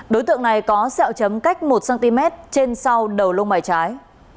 đối tượng này có sẹo chấm cách một cm trên sau đầu lông bài trái